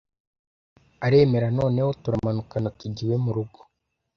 aremera noneho! Turamanukana tujya iwe murugo